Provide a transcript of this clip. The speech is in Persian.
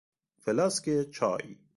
فلاسک چای